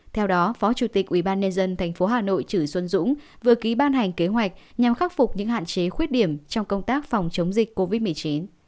theo đó phó chủ tịch ubnd tp hà nội chửi xuân dũng vừa ký ban hành kế hoạch nhằm khắc phục những hạn chế khuyết điểm trong công tác phòng chống dịch covid một mươi chín